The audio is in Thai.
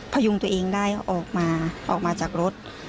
พยุงตัวเองได้ออกมาออกมาจากรถ